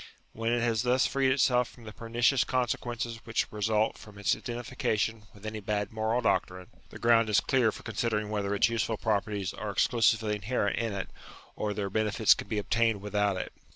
When it has thus freed itself from the pernicious consequences which result from its identification with any bad moral doctrine, the ground is clear for considering whether its useful properties are exclusively inherent in it, or their benefits can be obtained without it.